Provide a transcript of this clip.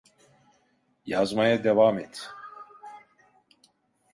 Yazmaya devam et.